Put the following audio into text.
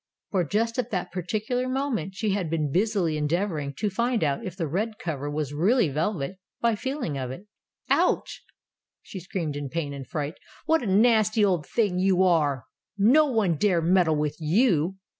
For just at that particular moment, she had been busily endeavoring to find out if the red cover were really velvet, by feeling of it. "Ouch!" she screamed in pain and fright, "what a nasty old thing you are! No one dare meddle with you."